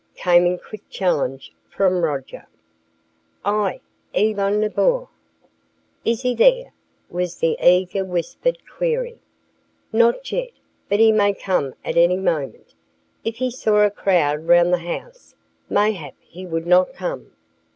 came in quick challenge from Roger. "I Yvonne Lebeau!" "Is he there?" was the eager whispered query. "Not yet. But he may come at any moment. If he saw a crowd round the house, mayhap he would not come."